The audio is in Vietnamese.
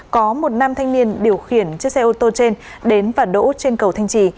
có một nam thanh niên điều khiển chiếc xe ô tô trên đến và đỗ trên cầu thanh trì